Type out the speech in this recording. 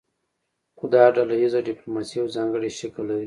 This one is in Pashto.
خو دا ډله ایزه ډیپلوماسي یو ځانګړی شکل لري